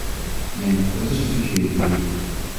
Nee, dat is de verkeerde manier.